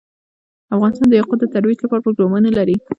افغانستان د یاقوت د ترویج لپاره پروګرامونه لري.